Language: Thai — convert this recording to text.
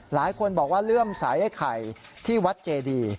หลายคนบอกว่าเลื่อมสายไอ้ไข่ที่วัดเจดี